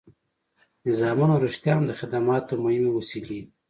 نظامونه رښتیا هم د خدماتو مهمې وسیلې دي.